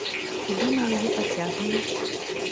Куды мы яе пацягнем?